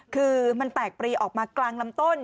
คือมันแตกปรีออกมากลางลำต้น